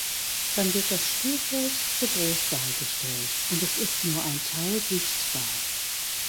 Dann wird das Spielfeld zu groß dargestellt und es ist nur ein Teil sichtbar.